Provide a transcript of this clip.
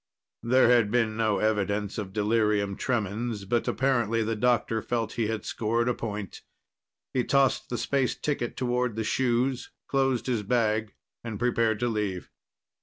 There had been no evidence of delirium tremens, but apparently the doctor felt he had scored a point. He tossed the space ticket toward the shoes, closed his bag, and prepared to leave.